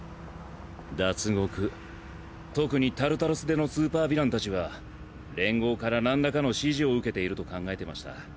ダツゴク特にタルタロス出のスーパーヴィラン達は連合から何らかの指示を受けていると考えてました。